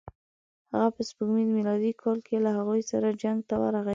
هغه په سپوږمیز میلادي کال کې له هغوی سره جنګ ته ورغی.